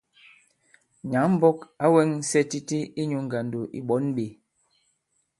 Nyǎŋ-mbɔk ǎ wɛŋsɛ titi inyū ŋgàndò ì ɓɔ̌n ɓē.